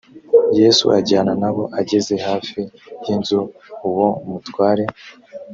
yesu ajyana na bo ageze hafi y inzu uwo mutware